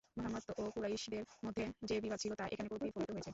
মুহাম্মাদ ও কুরাইশদের মধ্যে যে বিবাদ ছিল তা এখানে প্রতিফলিত হয়েছে।